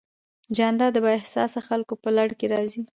جانداد د بااحساسه خلکو په لړ کې راځي.